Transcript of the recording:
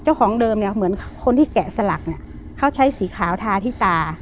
เจ้าของเดิมเนี่ยเหมือนคนที่แกะสลักเนี่ยเขาใช้สีขาวทาที่ตา